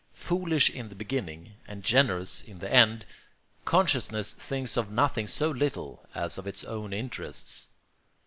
Foolish in the beginning and generous in the end, consciousness thinks of nothing so little as of its own interests.